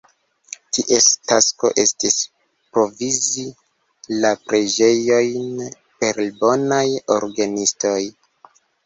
Ties tasko estis provizi la preĝejojn per bonaj orgenistoj.